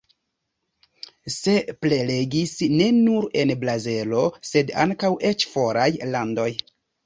Ŝi prelegis ne nur en Bazelo, sed ankaŭ eĉ foraj landoj.